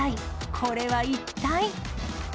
これは一体？